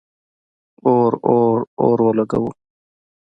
اور، اور، اور ولګوو